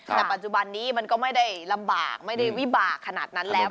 แต่ปัจจุบันนี้มันก็ไม่ได้ลำบากไม่ได้วิบากขนาดนั้นแล้ว